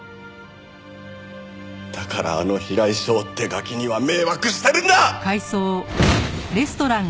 だからあの平井翔ってガキには迷惑してるんだ！